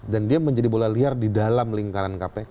dan dia menjadi bola liar di dalam lingkaran kpk